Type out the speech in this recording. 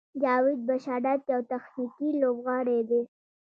جاوید بشارت یو تخنیکي لوبغاړی دی.